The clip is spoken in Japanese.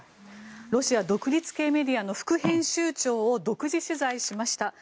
ロシア独立系メディアの副編集長を独自取材しました。